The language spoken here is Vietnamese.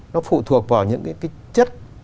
nó phụ thuộc vào những cái chất